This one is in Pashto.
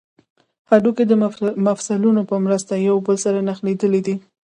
هډوکي د مفصلونو په مرسته یو بل سره نښلیدلي دي